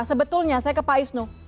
sebetulnya saya ke pak isnu